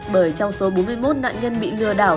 bởi trong số bốn mươi một nạn nhân bị lừa đảo